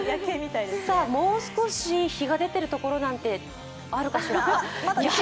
もう少し日が出ている所なんてあるかしら。